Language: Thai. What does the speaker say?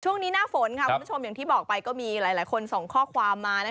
หน้าฝนคุณผู้ชมอย่างที่บอกไปก็มีหลายคนส่งข้อความมา